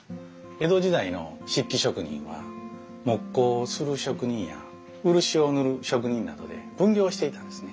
江戸時代の漆器職人は木工をする職人や漆を塗る職人などで分業していたんですね。